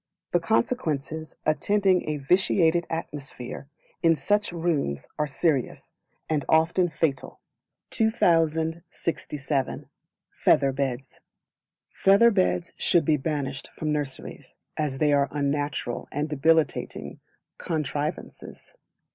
The Consequences attending a vitiated atmosphere in such rooms are serious, and often fatal. 2067. Feather Beds. Feather Beds should be banished from nurseries, as they are unnatural and debilitating contrivances.